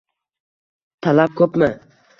- Talab ko'pmi?